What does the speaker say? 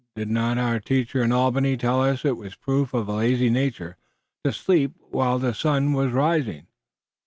"Did not our teacher in Albany tell us it was proof of a lazy nature to sleep while the sun was rising?